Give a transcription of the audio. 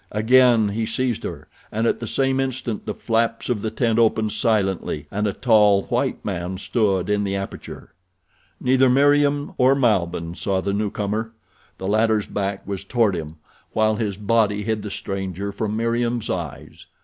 Again he seized her, and at the same instant the flaps of the tent opened silently and a tall white man stood in the aperture. Neither Meriem or Malbihn saw the newcomer. The latter's back was toward him while his body hid the stranger from Meriem's eyes.